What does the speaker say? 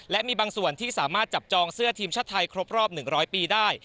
และมีบางส่วนที่สามารถจับจองเสื้อทีมชาติไทยครบรอบ๑๐๐ปีได้